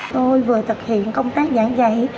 tôi vừa thực hiện công tác dạng dạy